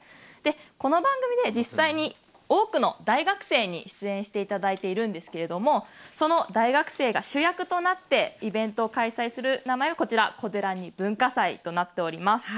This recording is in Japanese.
この番組で実際に多くの大学生に出演していただいているんですがその大学生が主役となってイベントを開催する名前がこでらんに文化祭となっています。